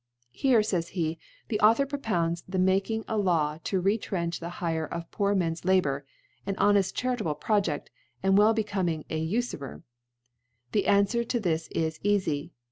^ Here, fays he, the Authoii > propounds the making a Law to retrench. ' the Hire of poor Mens Labour, (an ho « neft charitable Projeft, and well becoming ^ an Ufurer t) The Anfwer to this is eafy.